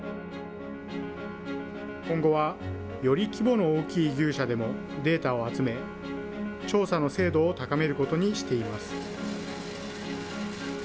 今後はより規模の大きい牛舎でもデータを集め、調査の精度を高めることにしています。